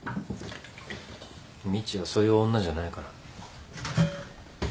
みちはそういう女じゃないから。